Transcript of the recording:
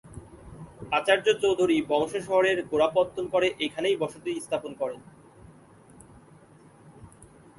আচার্য চৌধুরী বংশ শহরের গোড়াপত্তন করে এখানেই বসতি স্থাপন করেন।